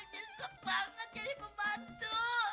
nyesep banget jadi pembantu